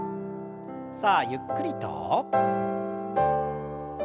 さあゆっくりと。